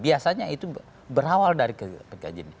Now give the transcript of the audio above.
biasanya itu berawal dari kekajian